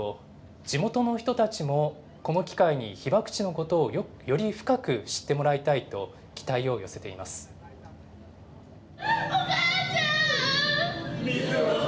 地元の人たちもこの機会に被爆地のことをより深く知ってもらいたお母ちゃん！